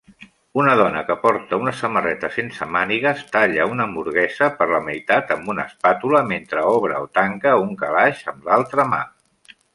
Una dona que porta una samarreta sense mànigues talla una hamburguesa per la meitat amb una espàtula mentre obre o tanca un calaix amb l'altra mà.